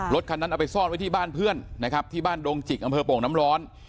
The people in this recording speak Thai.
รถคันนั้นเอาไปซ่อนไว้ที่บ้านเพื่อนนะครับที่บ้านดงจิกอำเภอโป่งน้ำร้อน